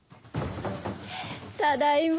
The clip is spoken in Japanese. ただいま！